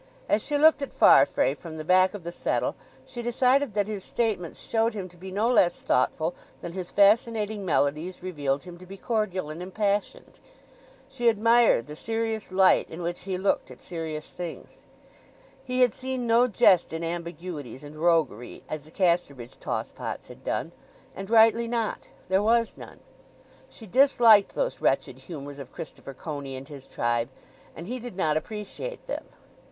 As she looked at Farfrae from the back of the settle she decided that his statements showed him to be no less thoughtful than his fascinating melodies revealed him to be cordial and impassioned. She admired the serious light in which he looked at serious things. He had seen no jest in ambiguities and roguery, as the Casterbridge toss pots had done; and rightly not—there was none. She disliked those wretched humours of Christopher Coney and his tribe; and he did not appreciate them.